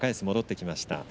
戻ってきました。